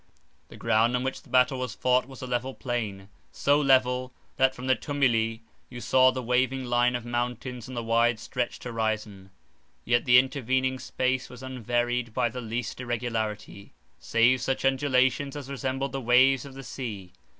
The ground on which the battle was fought, was a level plain—so level, that from the tumuli you saw the waving line of mountains on the wide stretched horizon; yet the intervening space was unvaried by the least irregularity, save such undulations as resembled the waves of the sea.